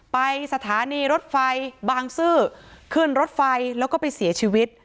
ไปสถานีรถไฟบางซื่อขึ้นรถไฟแล้วก็ไปเสียชีวิต